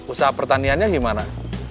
usaha pertaniannya gimana